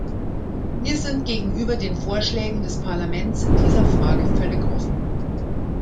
Wir sind gegenüber den Vorschlägen des Parlaments in dieser Frage völlig offen.